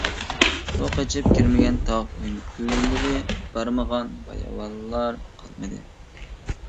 ئۇ قېچىپ كىرمىگەن تاغ ئۆڭكۈرلىرى، بارمىغان باياۋانلار قالمىدى.